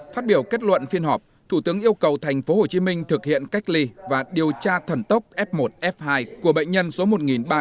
phát biểu kết luận phiên họp thủ tướng yêu cầu tp hcm thực hiện cách ly và điều tra thần tốc f một f hai của bệnh nhân số một nghìn ba trăm bốn mươi bảy